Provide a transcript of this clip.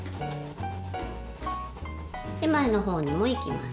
前のほうにもいきます。